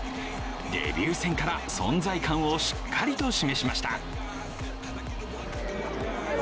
デビュー戦から存在感をしっかりと示しました。